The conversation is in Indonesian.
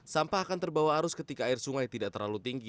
sampah akan terbawa arus ketika air sungai tidak terlalu tinggi